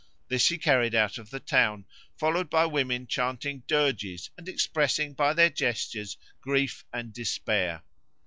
This he carried out of the town, followed by women chanting dirges and expressing by their gestures grief and despair.